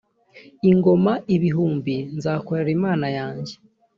ingoma ibihumbi nzakorera imana yanjye.